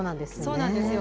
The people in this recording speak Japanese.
そうなんですよ。